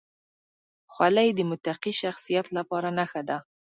خولۍ د متقي شخصیت لپاره نښه ده.